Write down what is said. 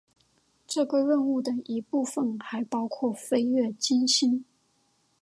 这个任务的一部分还包括飞越金星。